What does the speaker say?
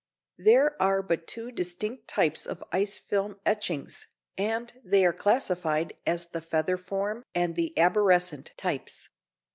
There are but two distinct types of the ice film etchings, and they are classified as the feather form and the arborescent types.